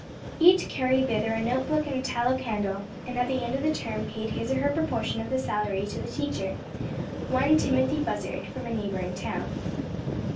Each carried thither a note book and a tallow candle, and at the end of the term paid his or her proportion of the salary of the teacher one Timothy Buzzard, from a neighboring town.